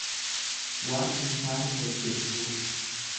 Waan hin taane hojjechuu.